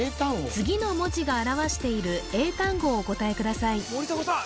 次の文字が表している英単語をお答えください森迫さん